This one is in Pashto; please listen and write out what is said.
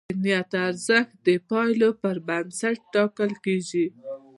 د نیت ارزښت د پایلو پر بنسټ ټاکل کېږي.